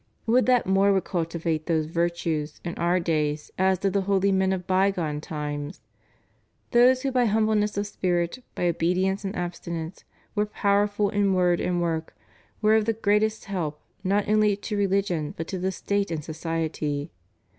^ Would that more would cultivate those virtues in our days, as did the holy men of bygone times ! Those who by humbleness of spirit, by obedience and abstinence, were powerful in word and work, were of the greatest help not only to religion but to the State and society.